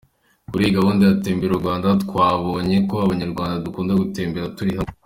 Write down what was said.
‘Kuri iyi gahunda ya Tembera u Rwanda, twabonye ko abanyarwanda dukunda gutembera turi hamwe.